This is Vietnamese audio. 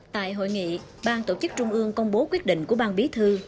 tại hội nghị ban tổ chức trung ương công bố quyết định của ban bí thư